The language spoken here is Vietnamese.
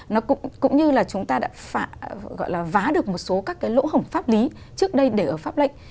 nó cũng như là chúng ta đã gọi là vá được một số các cái lỗ hổng pháp lý trước đây để ở pháp lệnh